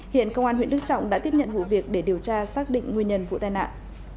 hiện công an huyện đức trọng đã tiếp nhận vụ việc để điều tra xác định nguyên nhân vụ tai nạn